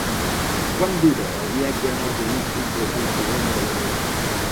Quant dura el viatge en autobús fins a Vallfogona de Balaguer?